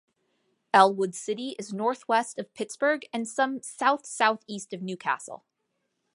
Ellwood City is northwest of Pittsburgh and some south-southeast of New Castle.